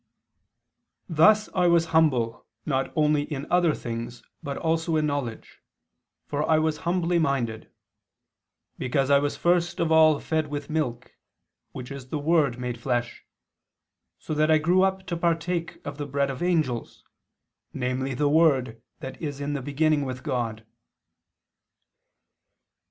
Thus I was humble not only in other things but also in knowledge, for 'I was humbly minded'; because I was first of all fed with milk, which is the Word made flesh, so that I grew up to partake of the bread of angels, namely the Word that is in the beginning with God."